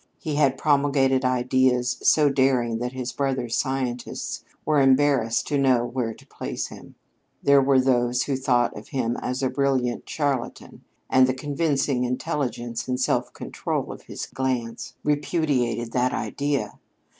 He had promulgated ideas so daring that his brother scientists were embarrassed to know where to place him. There were those who thought of him as a brilliant charlatan; but the convincing intelligence and self control of his glance repudiated that idea.